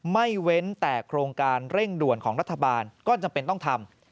เว้นแต่โครงการเร่งด่วนของรัฐบาลก็จำเป็นต้องทำ